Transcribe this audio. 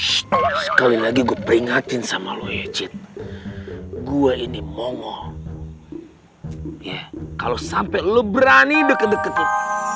hai setelah lagi gue peringatin sama lo ya cip gue ini monggo kalau sampai lu berani deket deketin